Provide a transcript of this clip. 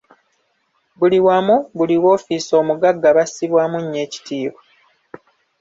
Buli wamu, buli woofiisi omugagga bassibwamu nnyo ekitiibwa.